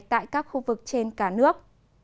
tại các khu vực trên cả nước